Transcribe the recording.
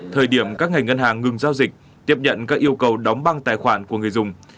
thời điểm các ngành ngân hàng ngừng giao dịch tiếp nhận các yêu cầu đóng băng tài khoản của người dùng